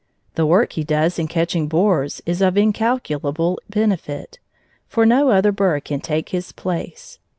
The work he does in catching borers is of incalculable benefit, for no other bird can take his place.